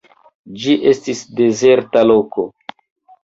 Ĝi estis dezerta loko.